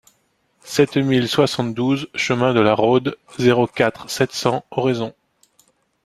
sept mille soixante-douze chemin de la Rhôde, zéro quatre, sept cents, Oraison